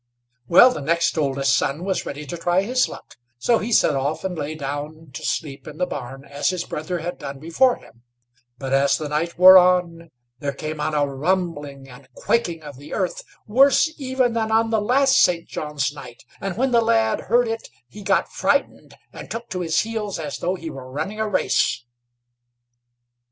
Well, the next oldest son was ready to try his luck, so he set off, and lay down to sleep in the barn as his brother had done before him; but as the night wore on, there came on a rumbling and quaking of the earth, worse even than on the last St. John's night, and when the lad heard it, he got frightened, and took to his heels as though he were running a race.